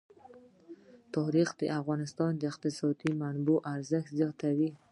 تاریخ د افغانستان د اقتصادي منابعو ارزښت زیاتوي.